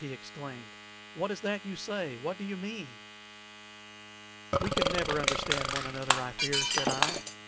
he exclaimed. "What is that you say? What do you mean?" "We can never understand one another, I fear," said I.